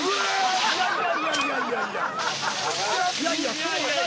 いやいやいやうわ！